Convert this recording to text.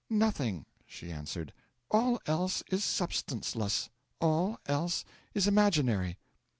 'Nothing,' she answered. 'All else is substanceless, all else is imaginary.'